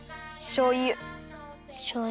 しょうゆ。